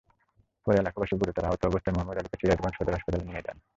পরে এলাকাবাসী গুরুতর আহত অবস্থায় মোহাম্মাদ আলীকে সিরাজগঞ্জ সদর হাসপাতালে নিয়ে যান।